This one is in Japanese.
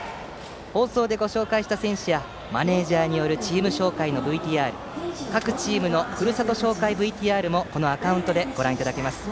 放送でご紹介した選手やマネージャーによるチーム紹介のＶＴＲ各チームのふるさと紹介ＶＴＲもこのアカウントでご覧いただけます。